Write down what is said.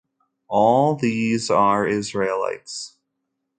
All these are Israelites.